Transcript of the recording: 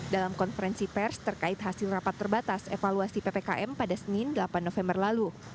dalam konferensi pers terkait hasil rapat terbatas evaluasi ppkm pada senin delapan november lalu